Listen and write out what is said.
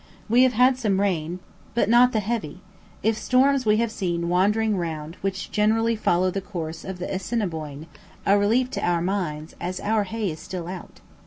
We have had some rain, but not the heavy if storms we have seen wandering round which generally follow the course of the Assiniboine a relief to our minds, as our hay is still out.